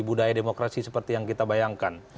budaya demokrasi seperti yang kita bayangkan